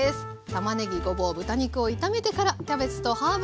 たまねぎごぼう豚肉を炒めてからキャベツとハーブと煮ていきます。